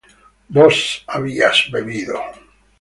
vos habías bebido